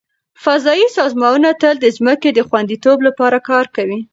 فضایي سازمانونه تل د ځمکې د خوندیتوب لپاره کار کوي.